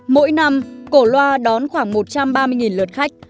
mỗi năm cổ loa đón khoảng một trăm ba mươi lượt khách